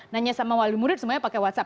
nanya sama wali murid semuanya pakai whatsapp